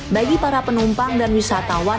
bagi para penumpang dan wisatawan